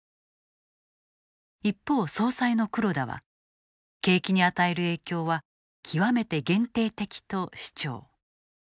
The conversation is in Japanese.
一方総裁の黒田は景気に与える影響は極めて限定的と主張。